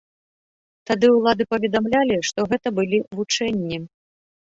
Тады ўлады паведамлялі, што гэта былі вучэнні.